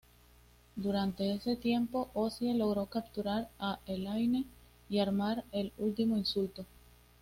Durante ese tiempo, Ozzie logró capturar a Elaine y armar el Último Insulto.